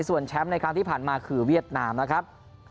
ส่วนแชมป์ในครั้งที่ผ่านมาคือเวียดนามนะครับ